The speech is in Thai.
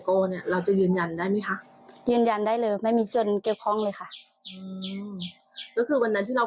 ตำรวจยังไม่ตัดประเด็นไหนทิ้ง